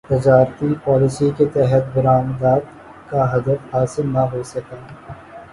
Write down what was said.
تجارتی پالیسی کے تحت برامدات کا ہدف حاصل نہ ہوسکا